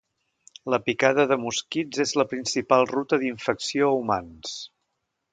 La picada de mosquits és la principal ruta d'infecció a humans.